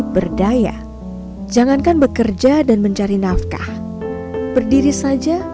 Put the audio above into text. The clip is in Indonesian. berdaya jangankan bekerja dan mencari nafkah berdiri saja